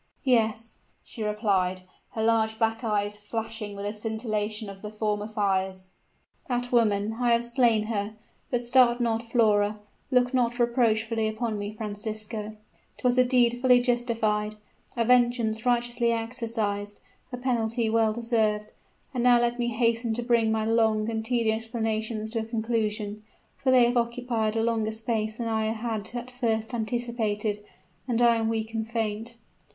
"Yes," she replied, her large black eyes flashing with a scintillation of the former fires: "that woman I have slain her! But start not, Flora look not reproachfully upon me, Francisco: 'twas a deed fully justified, a vengeance righteously exercised, a penalty well deserved! And now let me hasten to bring my long and tedious explanations to a conclusion for they have occupied a longer space than I had at first anticipated, and I am weak and faint.